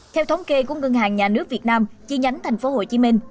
theo thống kê của ngân hàng nhà nước việt nam chi nhánh tp hcm